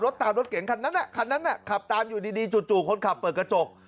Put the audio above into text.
ตามรถเก๋งคันนั้นคันนั้นขับตามอยู่ดีจู่คนขับเปิดกระจก